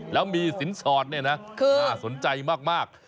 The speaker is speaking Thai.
แล้วมีสินสอดเนี่ยนะน่าสนใจมาก